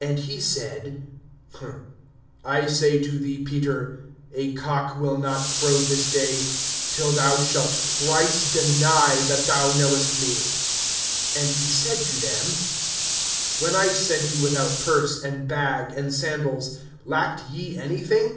(34)And he said: I say to thee, Peter, a cock will not crow this day, till thou shalt thrice deny that thou knowest me. (35)And he said to them: When I sent you without purse, and bag, and sandals, lacked ye anything?